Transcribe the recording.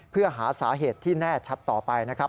เพื่อหาสาเหตุที่แน่ชัดต่อไปนะครับ